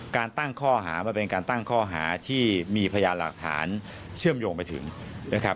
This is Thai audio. การตั้งข้อหามันเป็นการตั้งข้อหาที่มีพยานหลักฐานเชื่อมโยงไปถึงนะครับ